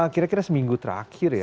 kira kira seminggu terakhir ya